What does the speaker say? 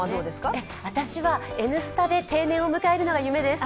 私は、「Ｎスタ」で定年を迎えるのが夢です。